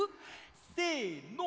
せの。